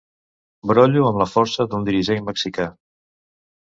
Brollo amb la força d'un dirigent mexicà.